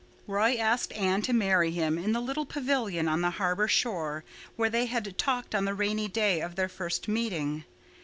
Roy asked Anne to marry him in the little pavilion on the harbor shore where they had talked on the rainy day of their first meeting.